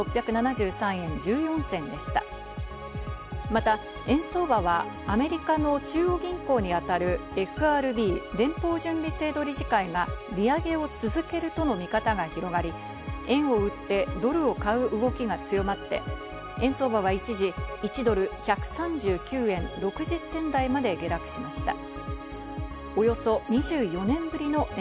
また円相場はアメリカの中央銀行にあたるＦＲＢ＝連邦準備制度理事会が、利上げを続けるとの見方が広がり、円を売ってドルを買う動きが強まって、円相場は一時、１ドル＝１３９円６０銭台まで下落しました。